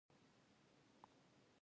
آیا په ملي سرود ویاړو؟